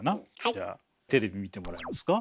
じゃあテレビ見てもらえますか。